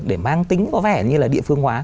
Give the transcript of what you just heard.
để mang tính có vẻ như là địa phương hóa